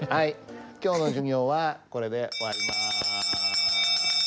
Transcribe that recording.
今日の授業はこれで終わります。